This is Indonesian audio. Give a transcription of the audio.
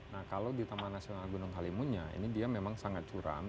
nah kalau di taman nasional gunung halimunnya ini dia memang sangat curam